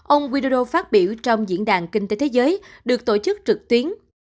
ông widodo phát biểu trong diễn đàn kinh tế thế giới được tổ chức trực tuyến